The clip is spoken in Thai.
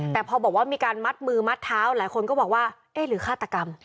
แต่พอบอกว่ามีการมัดมือมัดเท้าหลายคนก็บอกว่าเอ๊ะหรือฆาตกรรม